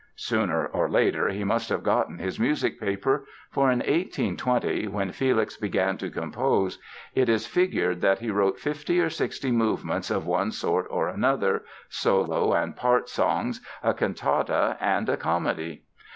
Sooner or later he must have gotten his music paper for in 1820, when Felix began to compose, it is figured that he wrote fifty or sixty movements of one sort or another, solo and part songs, a cantata and a comedy.